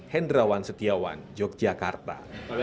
hendrawan setiawan yogyakarta